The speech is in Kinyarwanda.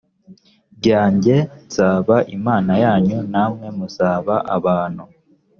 ryanjye nzaba imana yanyu namwe muzaba abantu